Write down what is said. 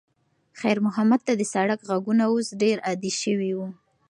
خیر محمد ته د سړک غږونه اوس ډېر عادي شوي وو.